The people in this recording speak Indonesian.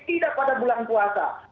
tidak pada bulan puasa